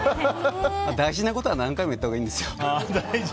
大事なことは何回も言った方がいいんですよ。